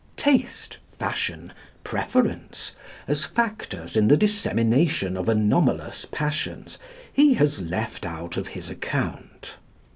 Taste, fashion, preference, as factors in the dissemination of anomalous passions, he has left out of his account.